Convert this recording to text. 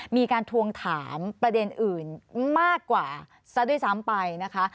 มีการทวงถามประเด็นอื่นมากกว่าซะด้วยซ้ำไปนะคะ